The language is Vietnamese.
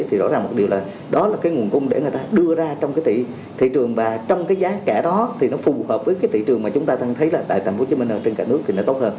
thì rõ ràng một điều là đó là cái nguồn công để người ta đưa ra trong cái thị trường và trong cái giá cả đó thì nó phù hợp với cái thị trường mà chúng ta thấy là tại thành phố hồ chí minh ở trên cả nước thì nó tốt hơn